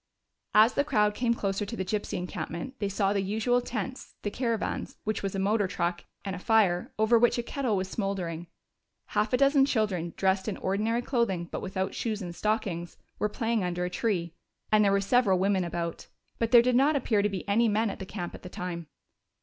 As the crowd came closer to the gypsy encampment, they saw the usual tents, the caravan, which was a motor truck, and a fire, over which a kettle was smoldering. Half a dozen children, dressed in ordinary clothing but without shoes and stockings, were playing under a tree, and there were several women about. But there did not appear to be any men at the camp at the time.